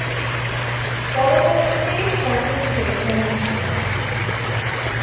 পরবর্তীতে চাকুরী ছেড়ে সঙ্গীত শুরু করেন।